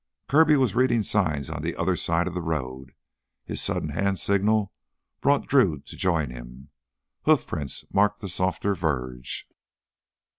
Kirby was reading sign on the other side of the road. His sudden hand signal brought Drew to join him. Hoofprints marked the softer verge.